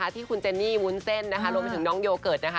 ที่คุณเจนนี่วุ้นเส้นนะคะรวมไปถึงน้องโยเกิร์ตนะคะ